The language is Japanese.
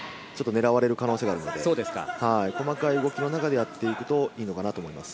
狙われる可能性があるので細かい動きの中でやっていくといいのかなと思います。